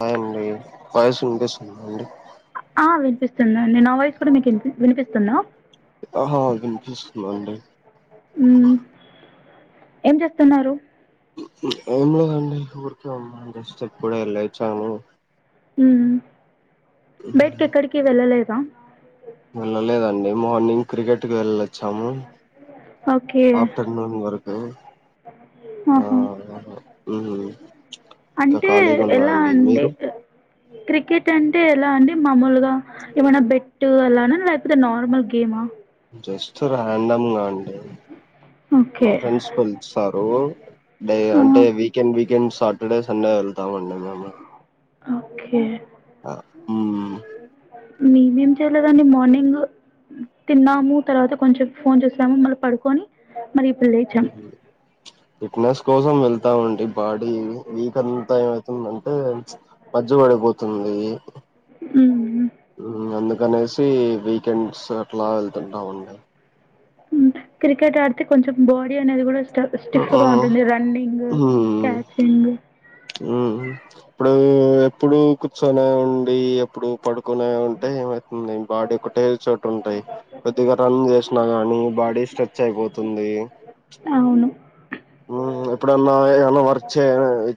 Hi అండి voice వినిపిస్తుంద అండి ంద నేను ఆ వాయిస్ కూడా మీకు వినిపిస్తుంద అహ పిస్తుండండి మ్మ్ ఏం చేస్తున్నారు ఏం లేదండి ఊరికే ఉన్నాం జస్ట్ ఇప్పుడే లేచాము ఉమ్ బయటికి ఎక్కడికి వెళ్లలేదా స వెళ్ళలేదండి మార్నింగ్ క్రికెట్కి వెళ్ళొ చము ఓకే ఆఫటర్నూన్ వరకు ఆ ఆహా మ్మ్ ఇంకా అంటే ఖాళీగా ఉన్నా ఎలా అండి మీరు క్రికెట్ అంటే ఎలా అండి మామూలుగా ఏమైనా బెట్ అలానే లేకపోతే నార్మల్ గేమా జస్ట్ ర్యాండమ్ గాండి ఓకే మా ఫ్రెండ్స్ పిలుస్తారు డై ఆ అంటే వీకెండ్ వీకెండ్స్ ఇక్కడే సండే వెళ్తామ అండి మేము ఓకే మ్మ్ మేమేం చేయలేదండి మార్నింగ్ తిన్నాము తర్వాత కొంచెం ఫోన్ చూశాము మళ్ళీ పడుకొని మరి ఇప్పుడు లేచం ఫిట్నెస్ కోసం వెళ్ వెళ్తాము అండి బాడీ వీక్ అంతా ఏమవుతుంది అంటే పచ్చపడిపోతుంది మ్మ్ అందు అనేసి వీకెండ్స్ అట్లా వెళ్తుంటామండి క్రికెట్ ఆడితే కొంచెం బాడీ అనేది కూడా స్టిఫ్ ఆ గా ఉంటుంది రన్నింగ్ మ్మ్ క్యాచింగ్ ఇప్పుడు ఎప్పుడు కూర్చొని ఉండి ఎప్పుడు పడు నే ఉంటే ఏమవుతుంది బాడీ ఒకటే చోటు ఉంటాయి కొద్దిగా రన్ చేసిన గాని బాడీ స్ట్రెచ్ అయిపోతుంది అవును ఎప్పుడన్నా ఏన్నా వర్క్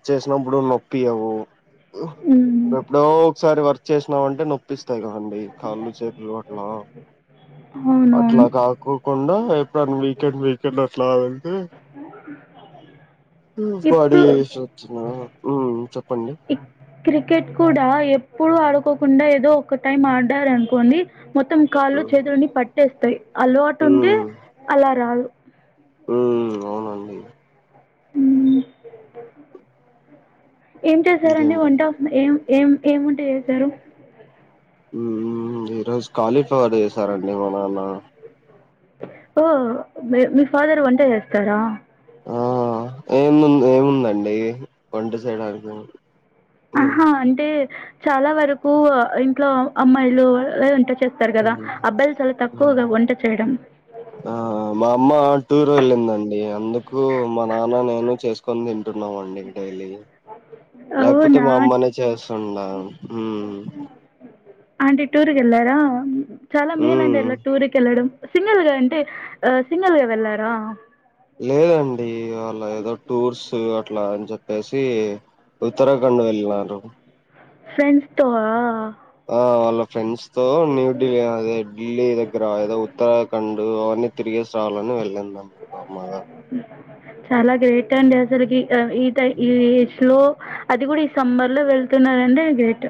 చే చేసినాప్పుడు నొప్పియవు హ్మ్. ఎప్పుడో ఒకసారి వర్క్ చేసినామ్ అంటే నొప్పిస్త్ నోత్తాయి కదండి కాళ్ళు చేతులు అట్లా అట్లా అవునవును కాకుకోండా ఎప్పుడైనా వీకెండ్ వీకెండ్ వ ఫలాను ఉమ్ బడీ ఇప్పుడు చేసి వచ్చిన ఉమ్ చెప్పండి ఈ క్రికెట్ కూడా ఎప్పుడు ఆడుకోకుండా ఏదో ఒక్క టైం ఆడారు అనుకోండి మొత్తం కాల్లో ఉమ్ చేతులన్ని పట్ తెస్తాయి అలవాటు ఉంటే అలా రాదు ఉ అవునండి ఉ ఏం చేశారని ఇంకేంట వంట ఏం ఏం ఏం వంట చేస్తారు ఉ ఉ ఉ ఈ రోజు కాలీఫ్లవర్ చేసారండి మా నాన్న ఓ మీ ఫాదర్ వంట చేస్తారా ఆ ఏము ఏముందండి వంట సైడ్ ఆహా అంటే చాలా వరకు ఇంట్లో అమ్మాయిలు లేదంటే స్తారు కదా ఉమ్ అబ్బాయిలు చాలా తక్కువగా వంట చేయడం అమ్మా టూర్ వెళ్ళిందండి అందుకు మా నాన్న నేను చేసుకుని తింట్ తింటున్నామండి డైలీ లేకపోతే అవునా! మా అమ్మనే చేయాల్సి ఉందా ఊ ఆంటీ టూర్కిళ్లారా చాలా మేల అండి హ్మ్ అలా టూర్కి వెళ్లడం సింగిల్గా అంటే సింగిల్గా వెళ్ళారా లేదండి అలా ఏదో టూర్స్ అట్లా అని చెప్పేసి ఉత్తరాఖండ వెళ్ళరు ఫ్రెండ్స్ తో ఆ ఆ వాళ్ళ ఫ్రెండ్స్ తో న్యూ ఢిల్లీ అద ఢిల్లీ దగ్గర ఏదో ఉత్తరాఖండ్ అవన్నీ తిరిగే రావాలని వెళ్ళంను ఆమ్ మా అమ్మగా చాలా గ్రేట్ అండి అసలికి ఈ ట ఈ హ్మ్. ఏజ్ లో అది కూడా ఈ సంబర్ లో వెళ్తున్నారంటె గ్రేట్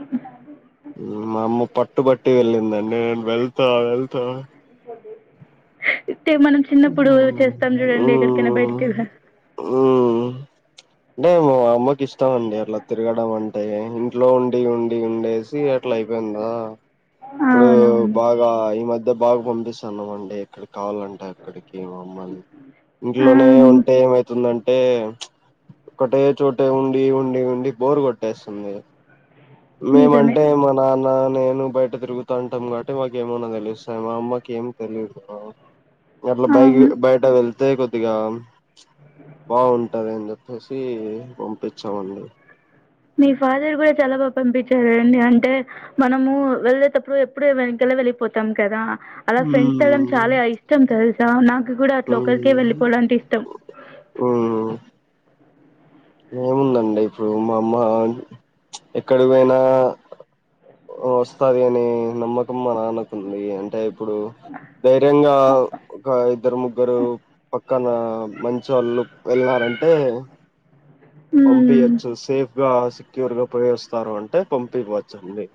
మా అమ్మ పట్ పట్టుబట్టి వెళ్ళిందండి నేను వెళ్తా వెళ్తా అంటే మనం చిన్నప్పుడు హ్మ్ చేస్తాం చూడండి ఎక్కడికైనా హ్మ్ బయటికి వెళ్ళ [inaudible] ఇస్తామండి. అట్లా తిరగడం అండి. అ ఇంట్లో ఉండి ఉండి డి ఉండేసి అట్లా అయిపోయిందా. ఇప్పుడు అవునవును. బాగా ఈ మధ్య ద్ద బాగా పంపిస్తాన్నాం అండి ఇక్కడికి. కావాలంటే అక్కడికి ఏ అమ్మని ఆ! ఇంట్లోనే ఉంటే ఏమైతుందంటే ఏ ఒకటే చోటే ఉండి ఉండి ఉండి బోరు కొట్టేస్తుంది. మీ మంట నిజమే. మనాన నేను బయట తిరుగుతాంటాం. కాబట్టి మాకు ఏమన్నా తెలుస్తా మా అమ్మకి ఏం తెలియదు. ఎట్లా బయ అవును. బయట వెళ్ అద కొద్దిగా బాగుంటద ఏని చెప్పే పంపించామండి మీ ఫాదర్ కూడా చాలా బాగా పంపించారండి. అంటే మనము వెళ్లేేటప్పుడు ఎప్పుడు వెనకలా వెళ్ళిపోతాం కదా. అలా ఫ్రెండ్స్ తడం హ్మ్ చాలా ఇష్టం తెలుసా నాకు కూడా అ లోకలిక వెళ్ళలిపోవడానికి ఇష్టం ఆ డి ఇప్పుడు మా అమ్మ ఎక్కడి పోయినా వస్తంది. అనే నమ్మకం మా అనకుంది. అంటే ఇప్పుడు ధైర్యంగా ఒక ఇద్దరు ముగ్గురు పక్కన మంచి వాళ్ళు వెళ్ళినారంటే హ్మ్. పంపిచ్చు సేఫ్గా సెక్యూర్ గా పోయస్తారు అంటే పంపించవచ్చ అండి.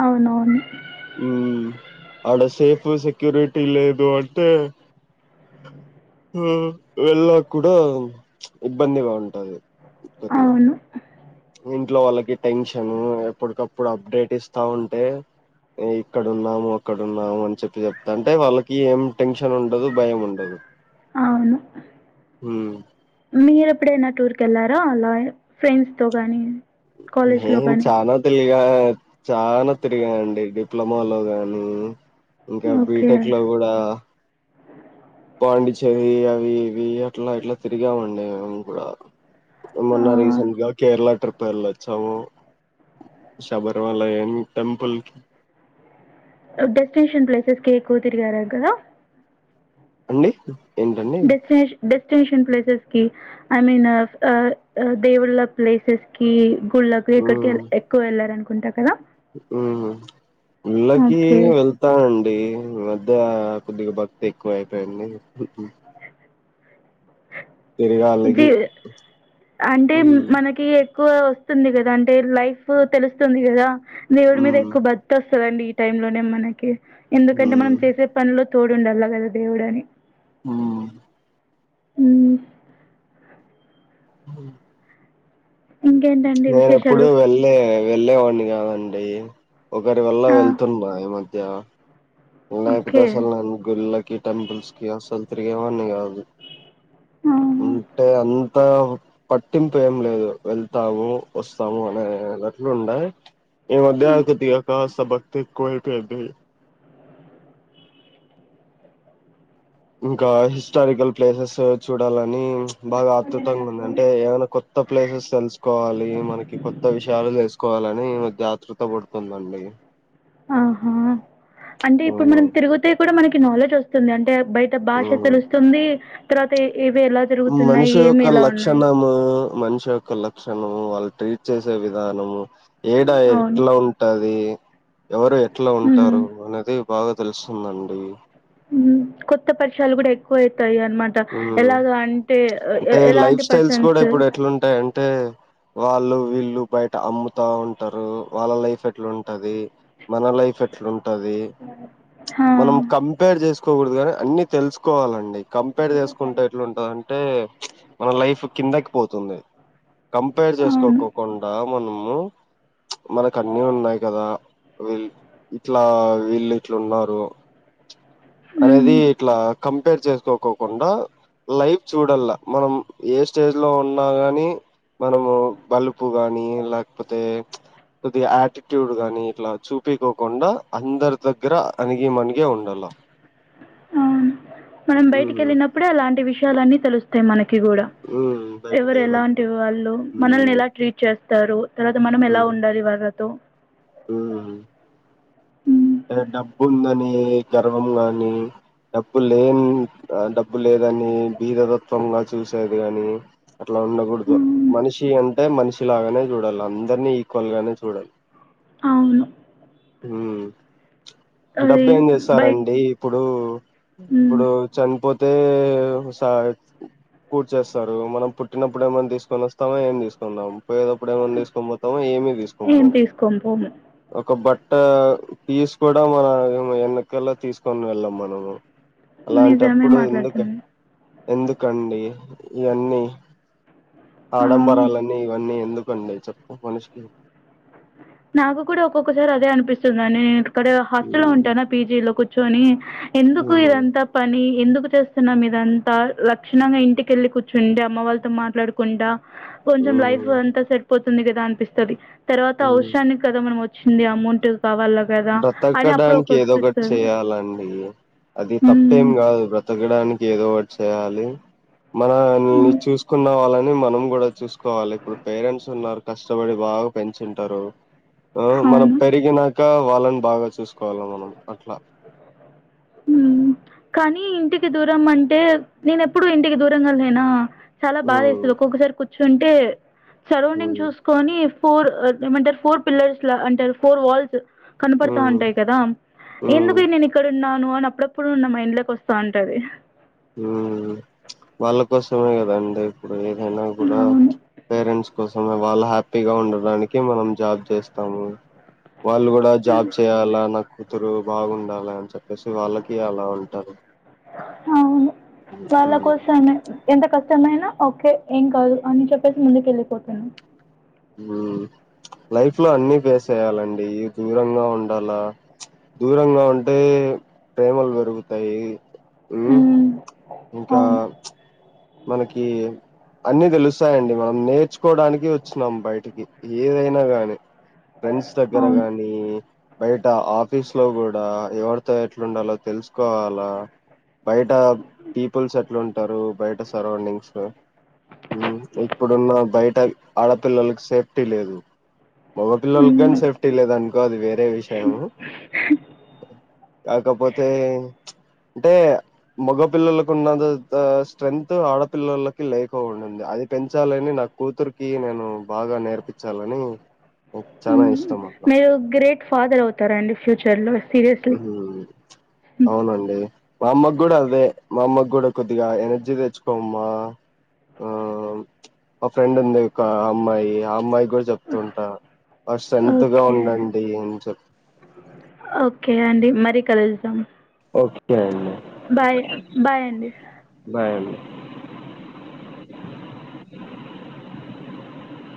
అవునవును ఆడ సేఫ్ సెక్యూరిటీ లేదు అంటే వెళ్ళ కూడాడా ఇబ్బందిగా ఉంటది. కతిగా అవును. ఇంట్లో వాళ్ళకి టెన్షన్ ఎప్పటికప్పుడు అప్డేట్ ఇస్తా ఉంటే ఇక్కడున్నాము అక్కడున్నాము. అని చెప్పి చెప్తాంటే వాళ్ళకి ఏం టెన్షన్ ఉండదు భయం ఉండదు. అవును మ్మ్ మీర ఎప్పుడైనా టూర్ క వెళ్ళారా. అలా ఫ్రెండ్స్ తో కాగానీ నేం చానా తెలిగ చాలా తిరిగా అండి డిప్లొమాలో గాని ఇంకా ఓకే. బీటెక్ లో కూడా పాండిచ్చేరి అవి ఇవి అట్లా ఇట్లా తిరిగామండి మేము కూడా. ఆ! మొన్న రీసెట్గా క కేరళ ట్రిప్ పర్లచ్చావ షాబరమాల ని టెంపల్కి డెస్టినేషన్ ప్లేసస్ కేకు తిరిగారగ అండి ఏంటండి destination destination places I mean దేవులా ప్లేసెస్ క సుళ్ళకి ఇక్కడికి ఎక్కువ వెళ్ల అను ఉంట ఉ ఇళ్ళకి ఓకే. వెళ్తానండి. మధ్య పెద్ద కొద్దిగా భక్తి ఎక్కువ అయిపోయింది. జీ తిరగాళ్ళకి అంటే హ్మ్ మనకి ఎక్కువ వస్తుంది. కదా అంటే లైఫ్ తెలుస్తుంది కదా. దేవుడు హ్మ్ మీదకు బత్త సలుండి ఈ టైమ్ లోనే మనకి ఎందుకంటే మనం హ్మ్ చేసే పనులో తోడుండాల కదా దేవుడు అని ఆ అ హ [inaudible] ఇంకేంటండి నేన ఎప్పుడు విశేషాలు? వెళ్ళి వెళ్ళేవాడిని కాదండి ఒకరి వల్ల ఆ! వెళ్తున్నా ఏమ ద ఓకే. పుల్లా క టెంపల్స్కి అసలు ఇత్రకిమన్న కాదు ఆ! అంటే అంతా పట్టింపు ఏం లేదు వెళ్తాము వస్తాము అనే అట్లు ఉండయి. ఈ మధ్యకృతి కాస్త భక్తి ఎక్కువైపోయింది. ఇంకా హిస్టారికల్ ప్లేసెస్ చూడాలని బాగా ఆత్రుతంగా ఉంది అంటే ఏమైనా కొత్త ప్లేసెస్ తెలుసుకోవాలి మనకి కొత్త విషయాలు తెలుసుకోవాలని అకృత పడుతుందండి ఆహా అంటే ఇప్పుడు అవును మనం తిరుగితే కూడా మనకి నాలెడ్జ్ వస్తుంది. అంటే బయట భాష అవును తెలుస్తుంది. తర్వాత ఇవి ఎలా జరుగుతున్నాయి, మనిషి ఏమి యొక్క ఎలా ఉన్నాయి. లక్షణము మనిషి యొక్క లక్షణం వాళ్ళు ట్రీట్ చేసే విధానము ఏడా అవును. ఎట్లా ఉంటది ఎవరు ఎట్లా హ్మ్. ఉంటారు అనేది బాగా తెలుస్తుందండి. కొత్త పరిషలు కూడా ఎక్కువ అవుయి యి అనమాట ఉమ్ ఎలాగ అంటే అంటే లైఫ్ ఎలాంటి స్టైల్స్ కూడా పర్సన్స్ ఇప్పుడు ఎట్లుంటాయంటే వాళ్ళు వీళ్ళు బయట అమ్ముతా ఉంటారు. వాళ్ళ లైఫ్ ఎట్లాంటది మన లైఫ్ ఎట్లాంట ఆ! మనం కంపేర్ చేసు కోకూడదు కాగాని అన్ని తెలుసుకోవాలండి. ఇ తీసుకుంటాట్ ఉంటుందడి అంటే మన లైఫ్ కిందకి పోతుంది కంపేర్ అవును. చేసుకోకోకుండా మనము మనకు అన్ని ఉన్నాయి కదా వీళ ఇట్లా వీళ్ళు ఇట్లు ఉన్నారు హ్మ్. అనేది ఇట్లా కంపేర్ చేసుకోకు కుండా లైఫ్ చూడలా మనం ఏ స్టేజ్ లో ఉన్నా గానీ. మనము బలుపు గాని లేకపోతే కొద్దిగా యాటిట్యూడ్ గానీ ఇట్లా చూపకోకుండా. అందరి దగ్గర అనిగి మనిగే ఉండాల. అవును. మనం బయటికి ఉమ్ వెళ్ ఇప్పుడు అలాంటి విషయాలన్నీ తెలుస్తాయి మనకి కూడా ఉమ్ ఎవరు ఎలాంటి బయటికెళ్ళినప్పుడు వాళ్ళు మనల్ని ఉమ్ ఎలా ట్రీట్ చేస్త తరు తర్వాత మనం ఎలా ఉమ్ ఉండాలి. వర్ లో ఉమ్ ఉహ్ డబ్బు ఉందని గర్వం గాని డబ్బు లేని డబ్బు లేదని బీరత్వంగా చూసేది కాగాని. అట్లా ఉండకూడదు. హ్మ్. మనిషి అంత అంటే మనిషిలాగానే చూడాలి. అందరినీ ఈక్వల్ గానే చూడాలి. అవును హ అది డబ్బు ఏం బయట్ చేస్తారంండి ఇప్పుడు. అడు హ్మ్. ఇప్పుడు చనిపోతే అయితే కూూర్ చేస్తారు. మనం పుట్టినప్పుడు ఏమైనా తీసుకొని వస్తామో ఏమి తీసుకుందాం. పయేటప్పుడు ఏమన్నా తీసుొని పోతామో ఏమి తీసుక ఏం పో తీసుకోము పోము. ఒక బట్ట అట్ట పీజ కూడా మన ఎన్నికల్లో తీసుకొని వెళ్ళాం మనము నిజమే అలాంటప్పుడు ఎందుకు మాట్లాడుతున్నాను. ఎందుకండి ఇవన్నీ ఆ! ఆడంబరాలన్నీ ఇవన్నీ ఎందుకు. బడి చెప్ప ఫనిష్కి నాకు కూడా ఒక్కొక్కసారి అదే అనిపిస్తుందిని నేను ఇక్కడ హాస్టల్ లో హ్మ్ ఉంటానా పీజీలో ర్ చోని ఎందుకు హ్మ్ ఇదంతా పని ఎందుకు చేస్తున్నాం ఇదంతా లక్షణంగా ఇంటిక వెళ్ళి కూర్చుండి అమ్మ వాళ్ళతో మాట్లాడకుండా కొంచెం లైఫ్ హ్మ్ అంత సెట్పోతు స్తుంది కదా అనిపిస్తుంది తర్వాత హ్మ్ అవషానికి కదా మనం వచ్చ వచ్చింది అమౌంట్ కావాలా కదా అని అప్పుడు బ్రతకడానికి ఏదో ఒకటి ఒకటిపిస్తది. చేయాలండి అది తప్పేం హ్మ్. కాదు బ్రతకడానికి ఏదో ఒకటి చేయాలి మనంని హ్మ్. చూసుకున్నాం అలా మనం కూడా చూసుకోవాలి ఇప్పుడు పేరెంట్స్ ఉన్నారు కష్టపడి బాగా పెంచుంటారు ఆ మనం అవును. పెరిగినాక ఇంకా వాళ్ళని బాగా చూసుకోవాలి మనం అట్లా హ్మ్ కానీ ఇంటికి దూరం అంటే నేన ఎప్పుడు ఇంటికి దూరం కలేనా చాలా హ్మ్ బాధ సార్ చుంటే సరౌండింగ్ హ్మ్ చూసుకొని ఫోర్ ఏమంటారు ఫోర్ పిల్లర్స్ లా అంటారు ఫోర్ వాల్స్ కనపడతా హ్మ్ ఉంటాయి కదా హ్మ్ ఎందుకు నేను ఇక్కడన్న నువ్వు అప్పుడు నా మ ఇండ్లోకి వస్తా ఉంటది హ్మ్ వాళ్ళ కోసమే కదండి ఇప్పు ఏదైనా కూడా అవును. పేరెంట్స్ కోసం వాళ్ళ హ్యాపీగా ఉండడానికి మనం జాబ్ చేస్తాము వాళ్ళు కూడా జాబ్ చేయాలా నా కూతురు బాగుండాలా అని చెప్పేసి వాళ్ళకి అలా ఉంటారు అవును వాళ్ళ కోసమే ఎంత కష్ట మతమైనా ఓకే ఏం కాదు అని చెప్పేసి ముందుక వెళ్ళిపోతున్నా హ్మ్ లైఫ్ లో అన్ని ఫేస్య్యాలండి దూరంగా ఉండాలా దూరంగా ఉంటే ప్రేమలు పెరుగుతాయి ఆ హ్మ్. ఇంకా అవును. మనకి అన్ని తెలుసాయండి. మనం నేర్చుకోవడానికి వచ్చినం బయటికి ఏదైనా గానీ. ఫ్రెండ్స్ దగ్గర అవును. గాని బయట ఆఫీస్ లో కూడా ఎవరితో ఎట్లుంలో తెలుసుకోవాలా బయట. బ పీపుల్స్ అట్లు ఉంటారు. బయట సరౌండింగ్స్ ఇప్పుడున్న బయట ఆడపిల్లలకు సేఫ్టీ లేదు మొగపిళల్ గన్ హ్మ్. సేఫ్టీ లేదండి కాదు వేరే విషయము కాకపోతే అంటే మగ పిల్లలకున్నది స్ట్రెంగ్ ఆడపిల్లలకి లేక ఉంది. అది పెంచాలని నా కూతురికి నేను బాగా నేర్పించాలని చాల హ్మ్. ఇష్టం. అట్లా మీరు గ్రేట్ ఫాదర్ అవుతారంండి. ఫ్యూచర్ లో అవునండి మా అమ్మ కూడా అదే మా అమ్మకి కూడా కొద్దిగా ఎనర్జీ తెచ్చుకోమ్మా. ఆ మా ఫ్రెండ్ ఉంది ఒక అమ్మాయి ఆ అమ్మాయి. చెప్తుంటా స్ట్రెంత్ గా ఓకే ఉండండి ఏం చెప్ ఓకే అండి మర కలుద్దాం ఓకే అండి బాయ్ బాయ్ అండి [inaudible]